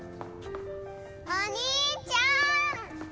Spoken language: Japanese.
お兄ちゃん！